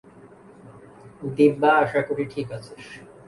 দিব্যা, আশা করি ঠিক আছিস।